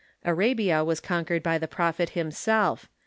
Arabia Avas conquered by the prophet himself.